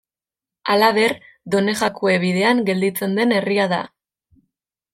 Halaber, Donejakue Bidean gelditzen den herria da.